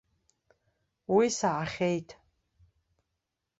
Уи саҳахьеит.